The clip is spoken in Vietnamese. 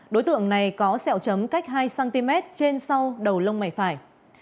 đối tượng này có sẹo chấm cách hai cm trên sau đầu lông mày phải